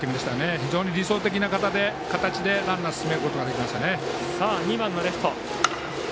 非常に理想的な形でランナーを進めることができましたね。